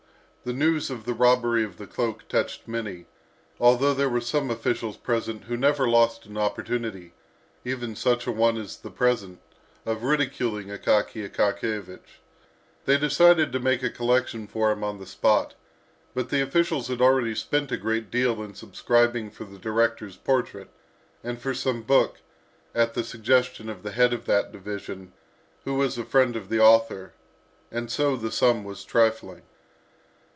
The news of the robbery of the cloak touched many, although there were some officials present who never lost an opportunity, even such a one as the present, of ridiculing Akaky Akakiyevich. They decided to make a collection for him on the spot, but the officials had already spent a great deal in subscribing for the director's portrait, and for some book, at the suggestion of the head of that division, who was a friend of the author; and so the sum was trifling.